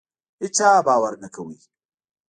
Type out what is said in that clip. هیچا باور نه کاوه.